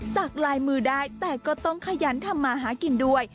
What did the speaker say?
จากลายมือได้แต่ก็ต้องขยันทำมาหากินด้วย